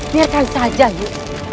biar saya saja yuk